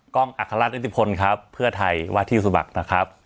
กล้องอัคลัดอินติพลครับเพื่อไทยวาทีสุบักนะครับ